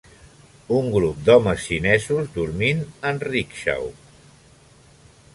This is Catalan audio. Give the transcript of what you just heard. Un grup d'homes xinesos dormint en "rickshaw".